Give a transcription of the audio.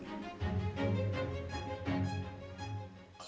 kualitasnya juga sangat baik